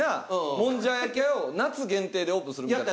もんじゃ焼き屋を夏限定でオープンするみたいな。